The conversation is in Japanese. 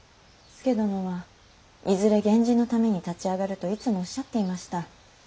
佐殿はいずれ源氏のために立ち上がるといつもおっしゃっていました。